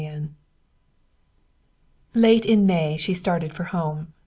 XXIII Late in May she started for home.